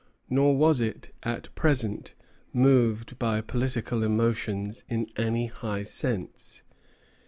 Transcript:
Nor was it at present moved by political emotions in any high sense.